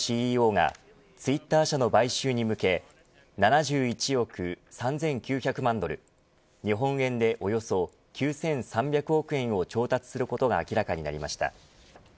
ＣＥＯがツイッター社の買収に向け７１億３９００万ドル日本円でおよそ９３００億円を調達することが明らかになりました。